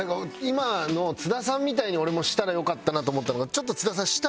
今の津田さんみたいに俺もしたらよかったなと思ったのがちょっと津田さん